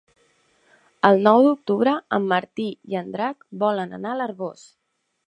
El nou d'octubre en Martí i en Drac volen anar a l'Arboç.